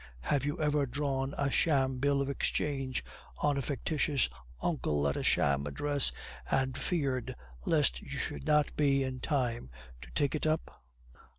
Have you ever drawn a sham bill of exchange on a fictitious uncle at a sham address, and feared lest you should not be in time to take it up?